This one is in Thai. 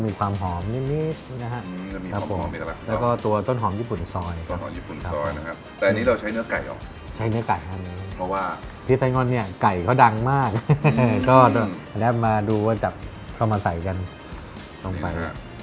มีความเผ็ดเปรี้ยวหวานเปรี้ยวแล้วก็หวานแล้วมันเปรี้ยวด้วยอะไร